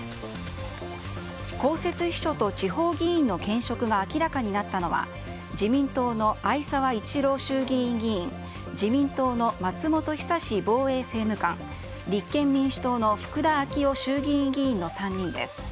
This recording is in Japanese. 公設秘書と地方議員の兼職が明らかになったのは自民党の逢沢一郎衆議院議員自民党の松本尚防衛政務官立憲民主党の福田昭夫衆議院議員の３人です。